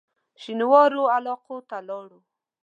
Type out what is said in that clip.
شینوارو علاقو ته ولاړ.